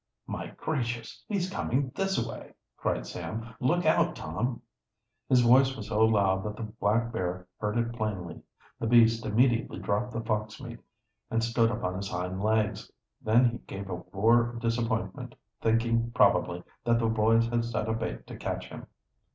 "My gracious, he's coming this way!" cried Sam. "Look out, Tom!" His voice was so loud that the black bear heard it plainly. The beast immediately dropped the fox meat and stood up on his hind legs. Then he gave a roar of disappointment; thinking, probably, that the boys had set a bait to catch him.